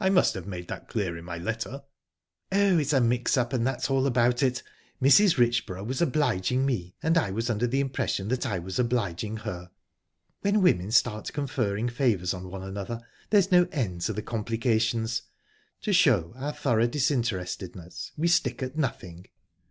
I must have made that clear in my letter." "Oh, it's a mix up, and that's all about it. Mrs. Richborough was obliging me, and I was under the impression that I was obliging her. When women start conferring favours on one another, there's no end to the complications. To show our thorough disinterestedness, we stick at nothing."